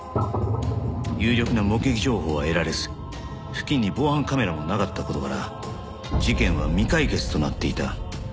有力な目撃情報は得られず付近に防犯カメラもなかった事から事件は未解決となっていた。